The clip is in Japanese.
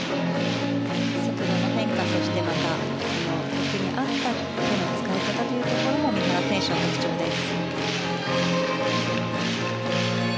速度の変化そしてまた、曲に合った手の使い方というのも三原選手の特徴です。